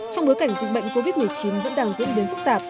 trong bối cảnh dịch bệnh covid một mươi chín vẫn đang diễn biến phức tạp